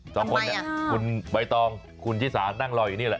สองคนเนี่ยคุณใบตองคุณชิสานั่งรออยู่นี่แหละ